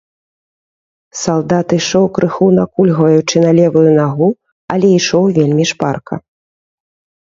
Салдат ішоў крыху накульгваючы на левую нагу, але ішоў вельмі шпарка.